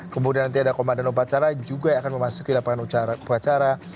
kemudian nanti ada komandan upacara juga yang akan memasuki lapangan upacara